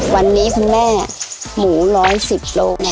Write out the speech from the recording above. วันนี้คุณแม่หมู๑๑๐กิโลกรัม